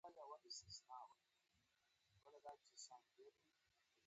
بوټونه بېلابېل رنګونه لري.